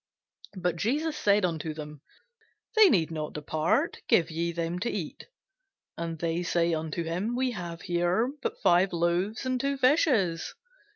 But Jesus said unto them, They need not depart; give ye them to eat. And they say unto him, We have here but five loaves, and two fishes.